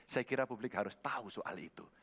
saya kira publik harus tahu soal itu